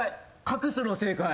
隠すの正解。